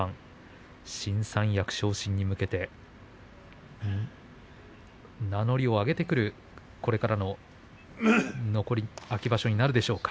新三役昇進に向けて名乗りを上げてくる、これからの残り秋場所になるでしょうか。